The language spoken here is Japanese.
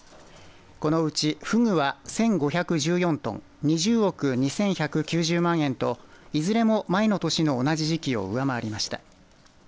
このうちフグは１５１４トン２０億２１９０万円といずれも前の年の同じ時期を上回りました。